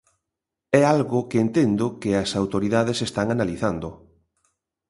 É algo que entendo que as autoridades están analizando.